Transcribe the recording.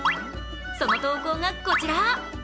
その投稿がこちら。